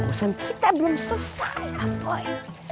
pukusan kita belum selesai apoy